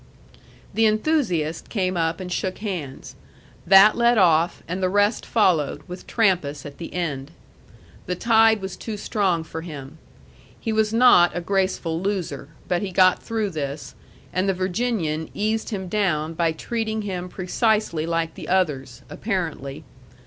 The enthusiast came up and shook hands. That led off, and the rest followed, with Trampas at the end. The tide was too strong for him. He was not a graceful loser; but he got through this, and the Virginian eased him down by treating him precisely like the others apparently.